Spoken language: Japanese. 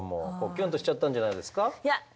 キュンとしちゃったんじゃないですか？